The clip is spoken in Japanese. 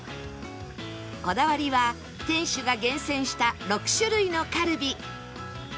こだわりは店主が厳選した６種類のカルビ